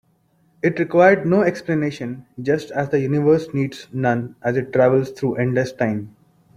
It required no explanation, just as the universe needs none as it travels through endless time.